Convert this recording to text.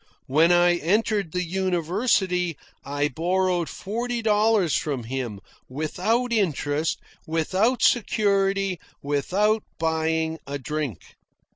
When I entered the university, I borrowed forty dollars from him, without interest, without security, without buying a drink.